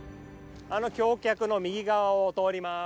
あの橋脚の右がわを通ります。